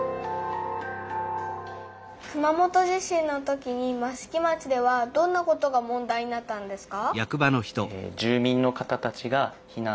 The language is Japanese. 熊本地震のときに益城町ではどんなことが問題になったんですか？